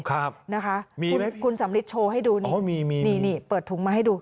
ครับนะคะมีคุณคุณสำริทโชว์ให้ดูนี่มีนี่นี่เปิดถุงมาให้ดู